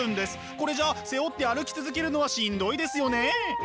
これじゃ背負って歩き続けるのはしんどいですよね。